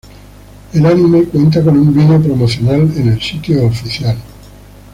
El anime cuenta con un video promocional en el sitio oficial.